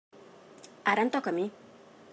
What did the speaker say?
Ara em toca a mi.